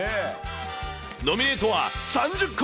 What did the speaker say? ノミネートは３０個。